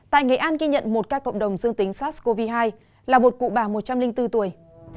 tại nghệ an ghi nhận một ca cộng đồng dương tính sars cov hai là một cụ bà một trăm linh bốn tuổi